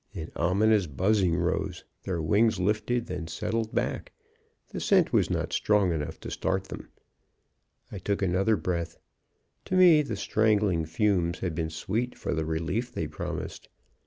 An ominous buzzing rose. Their wings lifted, then settled back. The scent was not strong enough to start them. "I took another full breath. To me the strangling fumes had been sweet for the relief they promised.